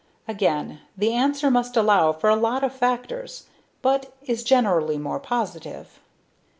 Again, the answer must allow for a lot of factors but is generally more positive.